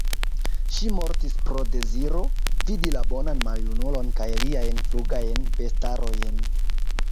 Ŝi mortis pro deziro, vidi la bonan maljunulon kaj liajn flugajn bestarojn.